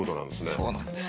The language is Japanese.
そうなんです。